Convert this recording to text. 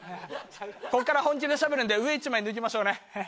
こっから本気でしゃべるんで上１枚脱ぎましょうね